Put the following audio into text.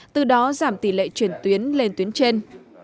từ đó giảm tỷ lệ chuyển tuyến lên tuyến trên